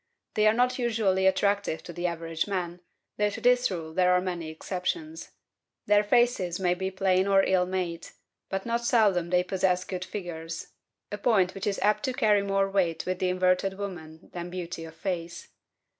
They are not usually attractive to the average man, though to this rule there are many exceptions. Their faces may be plain or ill made, but not seldom they possess good figures: a point which is apt to carry more weight with the inverted woman than beauty of face.